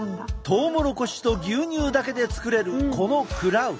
トウモロコシと牛乳だけで作れるこのクラウ。